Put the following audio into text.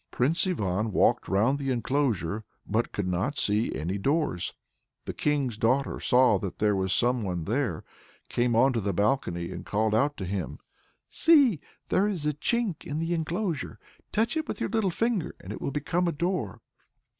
Prince Ivan walked round the enclosure, but could not see any doors. The king's daughter saw there was some one there, came on to the balcony, and called out to him, "See, there is a chink in the enclosure; touch it with your little finger, and it will become a door."